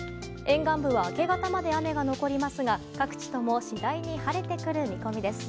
沿岸部は明け方まで雨が残りますが各地とも次第に晴れてくる見込みです。